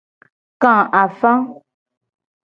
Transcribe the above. Ka afa.